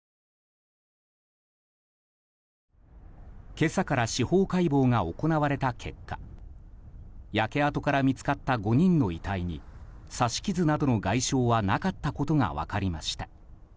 今朝から司法解剖が行われた結果焼け跡から見つかった５人の遺体に刺し傷などの外傷はなかったことが分かりました。